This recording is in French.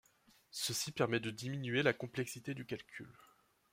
Ceci permet de diminuer la complexité du calcul.